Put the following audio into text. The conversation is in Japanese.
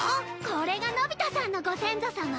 これがのび太さんのご先祖さま？